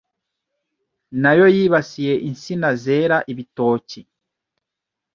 nayo yibasiye insina zera ibitoki